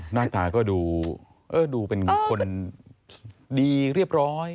หน้าตาก็ดูเป็นคนดีเรียบร้อย